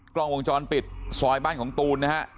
กล้องวงจรปิดซอยบ้านของตูนนะฮะ